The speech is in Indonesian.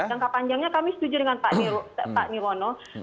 jangka panjangnya kami setuju dengan pak nirwono